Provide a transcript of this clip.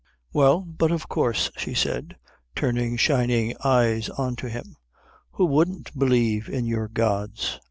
"Well, but of course," she said, turning shining eyes on to him. "Who wouldn't believe in your gods?